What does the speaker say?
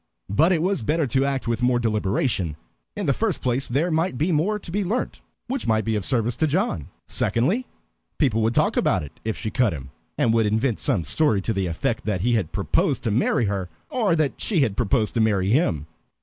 But it was better to act with more deliberation. In the first place, there might be more to be learnt which might be of service to John; secondly, people would talk about it if she cut him, and would invent some story to the effect that he had proposed to marry her, or that she had proposed to marry him.